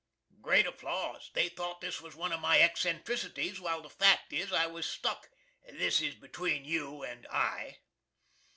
(Grate applaws. They thought this was one of my eccentricities, while the fact is I was stuck. This between you and I.)